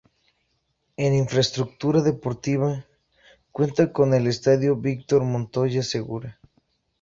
En infraestructura deportiva cuenta con el Estadio Víctor Montoya Segura.